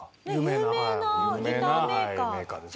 有名なギターメーカー。